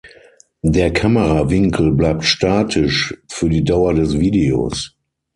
Der Kamerawinkel bleibt statisch für die Dauer des Videos.